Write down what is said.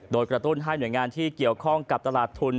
โดยกระตุ้นให้หน่วยงานที่เกี่ยวข้องกับตลาดทุน